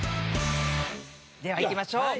ではいきましょう。